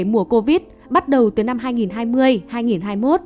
mùa covid bắt đầu tới năm hai nghìn hai mươi